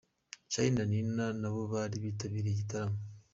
Charly na Nina nabo bari bitabiriye iki gitaramo.